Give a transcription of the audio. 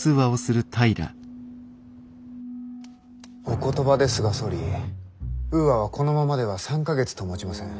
お言葉ですが総理ウーアはこのままでは３か月ともちません。